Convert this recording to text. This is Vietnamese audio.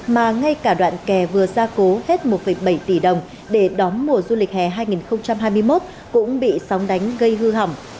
mà ngay cả đoạn kè vừa ra cố hết một bảy tỷ đồng để đón mùa du lịch hè hai nghìn hai mươi một cũng bị sóng đánh gây hư hỏng